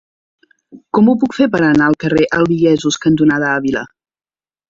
Com ho puc fer per anar al carrer Albigesos cantonada Àvila?